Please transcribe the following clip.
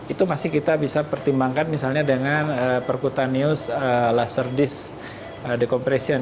itu masih kita bisa pertimbangkan misalnya dengan perkutanius laser disk decompression